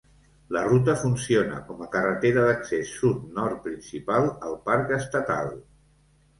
La ruta funciona com a carretera d'accés sud-nord principal al parc estatal.